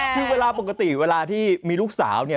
คือปกติที่เวลาที่มีลูกสาว